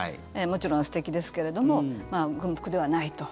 もちろん素敵ですけれども軍服ではないと。